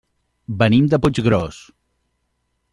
Venim de Puiggròs.